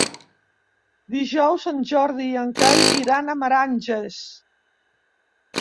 Dijous en Jordi i en Cai iran a Meranges.